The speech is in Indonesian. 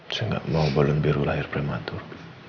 saya tidak mau balun biru lahir prematur